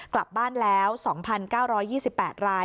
กลับบ้านแล้ว๒๙๒๘ราย